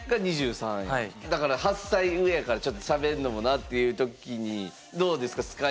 だから８歳上やからちょっとしゃべるのもなっていう時にどうですか？